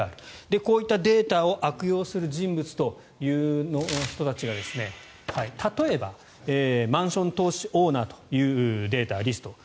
こういったデータを悪用する人物というのが例えば、マンション投資オーナーというデータ、リスト。